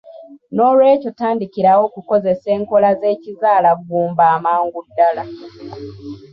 Noolwekyo tandikirawo okukozesa enkola z'ekizaalaggumba amangu ddala.